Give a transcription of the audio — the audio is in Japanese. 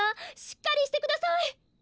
しっかりしてください！